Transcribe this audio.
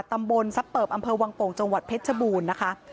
ตำบลซับเปิบอำเภอวังโป่งจังหวัดเพชรชบูรณ์นะคะ